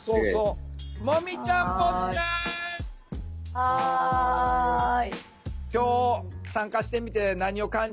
はい。